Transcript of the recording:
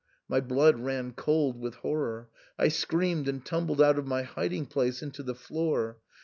My blood ran cold with horror ; I screamed and tumbled out of my hiding place into the floor.